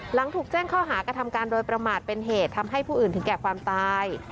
หลังถูกแจ้งข้อหากระทำการโดยประมาทเป็นเหตุทำให้ผู้อื่นถึงแก่ความตาย